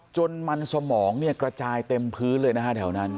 จนมันสมองเนี่ยกระจายเต็มพื้นเลยนะฮะแถวนั้น